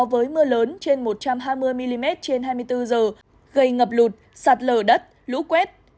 với mưa lớn trên một trăm hai mươi mm trên hai mươi bốn giờ gây ngập lụt sạt lở đất lũ quét